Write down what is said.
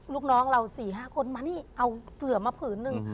ลูกน้องเรา๔๕คนมานี่เอาเสือมาผืนหนึ่ง